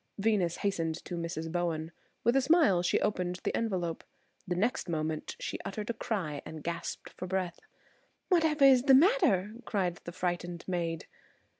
Venus hastened to Mrs. Bowen. With a smile she opened the envelope. The next moment she uttered a cry and gasped for breath. "Whatever is the matter?" cried the frightened maid.